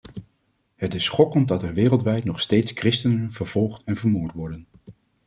Het is schokkend dat er wereldwijd nog steeds christenen vervolgd en vermoord worden.